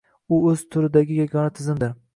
U oʻz turidagi yagona tizimdir.